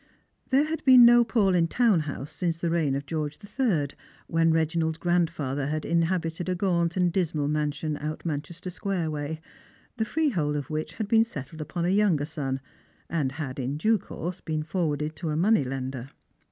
There had been no Paulyn town house since the reign of George III., when Beginald's grandfather had inhabited a ^aunt and dismal mansion out Manchester square way, the freehold of which had been settled upon a younger son, and had, in due course, been forwarded to a money lender.